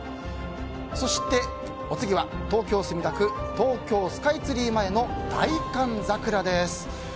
そして、お次は東京・墨田区東京スカイツリー前の大寒桜です。